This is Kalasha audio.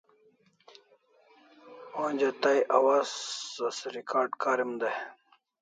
Onja tai awaz as recard karim dai